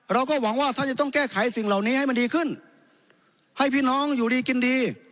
เราก็หวังว่าท่านจะต้องแก้ไขสิ่งเหล่านี้ให้มันดีขึ้นให้พี่น้องอยู่ดีกินดี